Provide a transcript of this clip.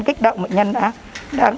kích động bệnh nhân đã